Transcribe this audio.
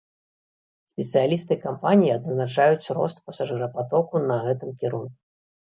Спецыялісты кампаніі адзначаюць рост пасажырапатоку на гэтым кірунку.